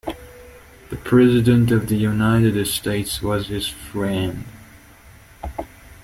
The President of the United States was his friend.